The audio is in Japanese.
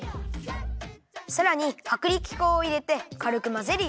さらにはくりき粉をいれてかるくまぜるよ。